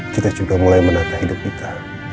kita sudah mulai menata hidup kita